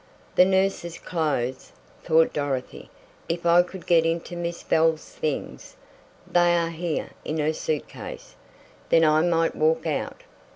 "The nurse's clothes!" thought Dorothy. "If I could get into Miss Bell's things! They are here in her suit case. Then I might walk out!